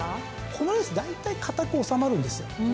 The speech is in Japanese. このレースだいたい堅く収まるんですよ。